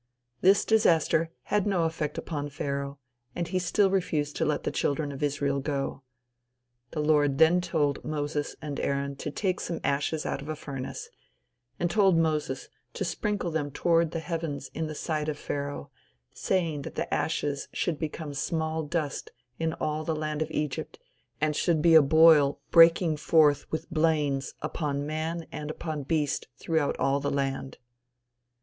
This disaster had no effect upon Pharaoh, and he still refused to let the children of Israel go. The Lord then told Moses and Aaron to take some ashes out of a furnace, and told Moses to sprinkle them toward the heavens in the sight of Pharaoh; saying that the ashes should become small dust in all the land of Egypt, and should be a boil breaking forth with blains upon man and upon beast throughout all the land.